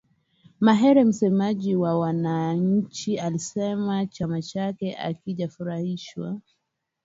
Mahere msemaji wa wananchi alisema chama chake hakijafurahishwa